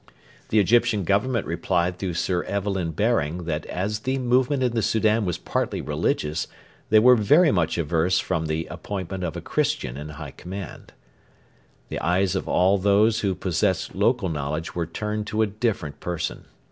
The Egyptian Government replied through Sir Evelyn Baring that as the movement in the Soudan was partly religious they were 'very much averse' from the appointment of a Christian in high command. The eyes of all those who possessed local knowledge were turned to a different person.